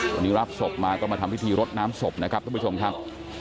วันนี้รับศพมาก็มาทำพิธีรดน้ำศพนะครับท่านผู้ชมครับ